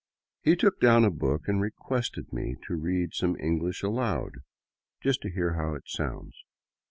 He took down a book and requested me to read some English aloud, '' just to hear how it sounds."